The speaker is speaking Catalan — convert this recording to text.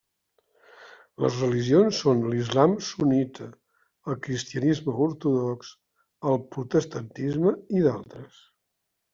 Les religions són l'islam sunnita, el cristianisme ortodox, el protestantisme i d'altres.